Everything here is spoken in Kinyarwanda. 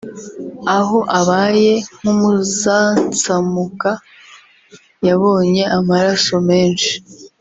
Aho abaye nk’uzansamuka yabonye amaraso menshi